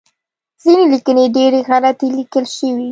ځینې لیکنې ډیری غلطې لیکل شوی